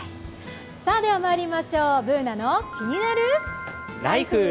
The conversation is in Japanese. ではまいりましょう、「ＢｏｏｎａのキニナルＬＩＦＥ」。